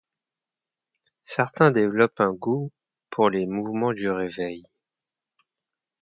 Certains développent un goût pour les mouvements du Réveil.